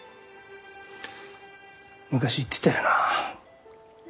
昔言ってたよな？